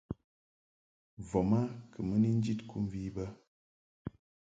Voma kɨ mɨ ni njid kɨmvi bə.